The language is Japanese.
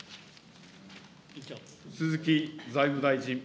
鈴木財務大臣。